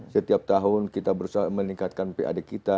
setiap tahun kita berusaha meningkatkan pad kita